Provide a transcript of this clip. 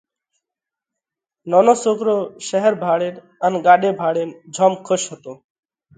نونو سوڪرو شير ڀاۯينَ ان ڳاڏي ڀاۯينَ جوم کُش هتو۔